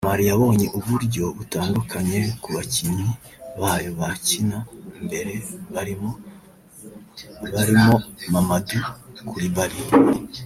Mali yabonye uburyo butandukanye ku bakinnyi bayo bakina imbere barimo barimo Mamadou Coulibary